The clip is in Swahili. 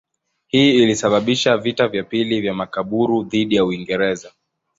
Hii ilisababisha vita vya pili vya Makaburu dhidi ya Uingereza.